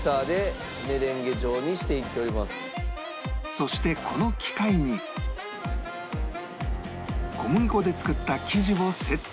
そしてこの機械に小麦粉で作った生地をセット